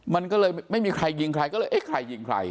มันก็เลยไม่มีใครยิงใครก็เลยเอ๊ะใครยิงใคร